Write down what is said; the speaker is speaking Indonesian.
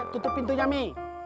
tutup pintunya mi